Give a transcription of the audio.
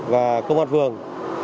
và công an phường